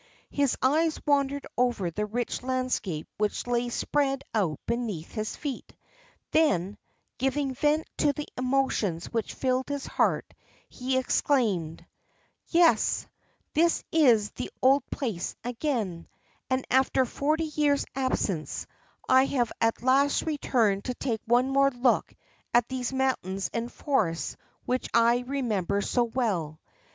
His eyes wandered over the rich landscape which lay spread out beneath his feet; then, giving vent to the emotions which filled his heart, he exclaimed: "Yes, this is the old place again, and after forty years' absence I have at last returned to take one more look at these mountains and forests which I remember so well.